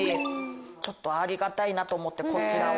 ちょっとありがたいなと思ってこちらを。